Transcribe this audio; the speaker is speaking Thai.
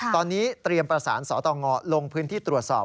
ตอนนี้เตรียมประสานสตงลงพื้นที่ตรวจสอบ